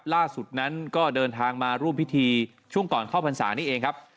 ล่าสุดนั้นก็เดินทางมาร่วมพิธีช่วงก่อนเข้าพรรษานี่เองครับ